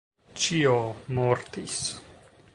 Ĉio mortis!